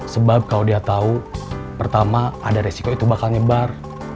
sebab kalau dia tahu pertama ada resiko itu bakal nyebar